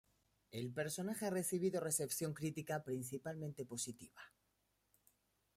El personaje ha recibido recepción crítica principalmente positiva.